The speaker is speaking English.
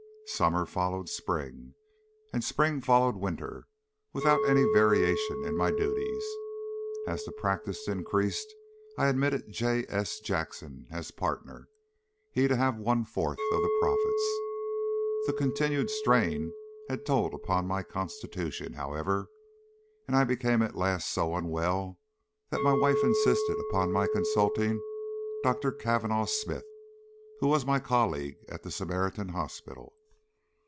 Summer followed spring, and spring followed winter, without any variation in my duties. As the practice increased I admitted J. S. Jackson as partner, he to have one fourth of the profits. The continued strain had told upon my constitution, however, and I became at last so unwell that my wife insisted upon my consulting Dr. Kavanagh Smith, who was my colleague at the Samaritan Hospital.